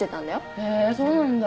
へぇそうなんだ。